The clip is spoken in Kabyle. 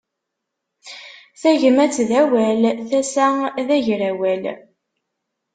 Tagmat d awal, tasa d agrawal.